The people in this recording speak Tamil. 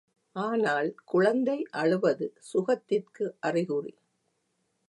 ஆனால் குழந்தை அழுவது சுகத்திற்கு அறிகுறி.